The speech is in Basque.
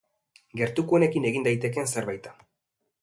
Gertukoenekin egin daitekeen zerbait da.